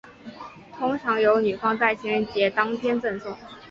通常由女方在情人节当天赠送。